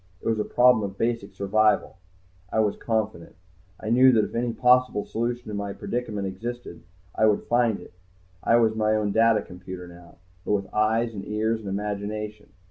It was a problem of basic survival. I was confident. I knew that if any possible solution to my predicament existed I would find it. I was my own data computer now, but with eyes and ears and imagination.